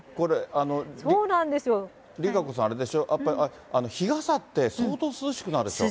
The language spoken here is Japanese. これ、ＲＩＫＡＣＯさん、あれでしょ、やっぱり日傘って、相当涼しくなるでしょ。